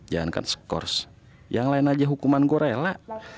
jangan kan skor yang lain aja hukuman gorela